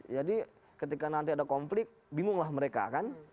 jadi ketika nanti ada konflik bingunglah mereka